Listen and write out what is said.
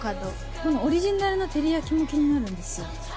このオリジナルのテリヤキも気になるんですよ。